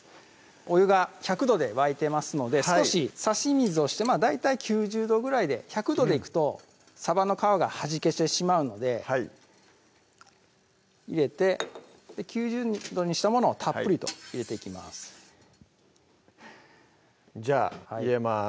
お湯が１００度で沸いてますので少し差し水をしてまぁ大体９０度ぐらいで１００度でいくとさばの皮がはじけてしまうので入れて９０度にしたものをたっぷりと入れていきますじゃあ入れます